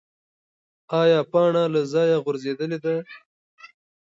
ایا پاڼه له ځایه غورځېدلې ده؟